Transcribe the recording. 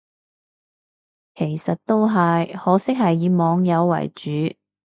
其實都係，可惜係以網友為主